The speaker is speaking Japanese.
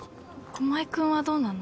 駒井君はどうなの？